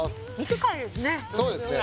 短いですね。